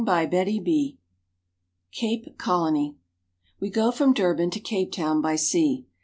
■^xiXHoo 48. CAPE COLONY WE go from Durban to Cape Town by sea.